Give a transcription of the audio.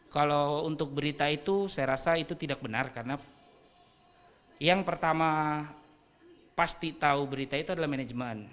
kalau untuk berita itu saya rasa itu tidak benar karena yang pertama pasti tahu berita itu adalah manajemen